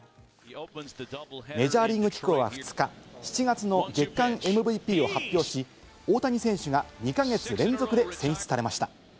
メジャーリーグ機構は２日、７月の月間ＭＶＰを発表し、大谷選手が２か月連続で選出されました。